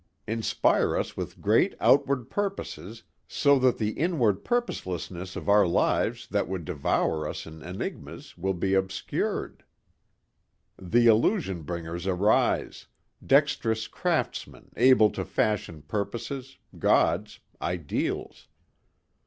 Inspire us with great outward purposes so that the inward purposelessness of our lives that would devour us in enigmas will be obscured." The illusion bringers arise dexterous craftsmen able to fashion purposes, Gods, ideals.